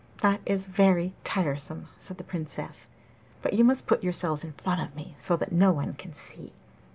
'That is very tiresome!' said the Princess. 'But you must put yourselves in front of me, so that no one can see.